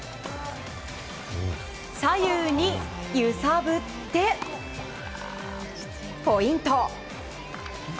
左右に揺さぶってポイント。